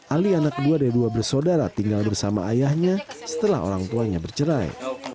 ali anak dua dari dua bersaudara tinggal bersama ayahnya setelah orang tuanya bercerai